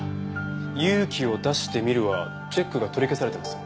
「勇気を出してみる」はチェックが取り消されてます。